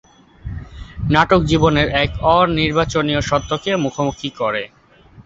নাটক জীবনের এক অনির্বাচনীয় সত্যকে মুখোমুখি করে।